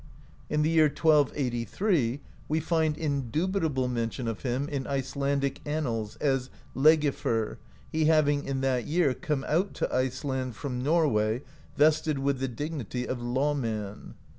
In the year 1283 we find indubitable mention of him in Icelandic annals as "leg^fer," he having in that year "come out" to Iceland from Norway vested with the dignity of "law man."